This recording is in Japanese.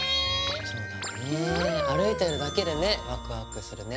そうだね歩いてるだけでねワクワクするね。